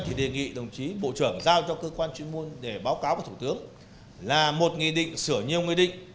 thì đề nghị đồng chí bộ trưởng giao cho cơ quan chuyên môn để báo cáo với thủ tướng là một nghị định sửa nhiều nguyên định